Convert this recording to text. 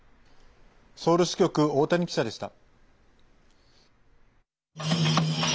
ソウル支局、大谷記者でした。